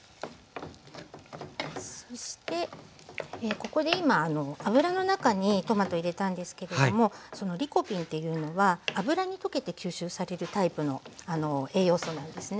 そしてここで今油の中にトマト入れたんですけれどもそのリコピンというのは油に溶けて吸収されるタイプの栄養素なんですね。